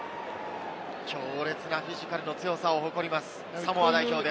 強烈なフィジカルの強さを誇ります、サモア代表です。